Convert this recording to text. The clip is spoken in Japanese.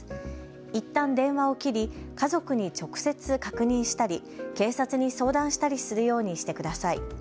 いったん電話を切り家族に直接確認したり警察に相談したりするようにしてください。